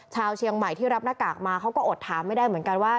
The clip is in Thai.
ชาวเชียงใหม่ที่รับหน้ากากมาเขาก็อดถามไม่ได้เหมือนกันว่า